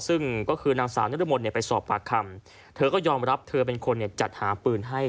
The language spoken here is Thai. ซึ่งก็คือนางสาวนรมนไปสอบปากคำเธอก็ยอมรับเธอเป็นคนจัดหาปืนให้